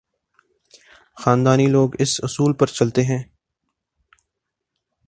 خاندانی لوگ اسی اصول پہ چلتے ہیں۔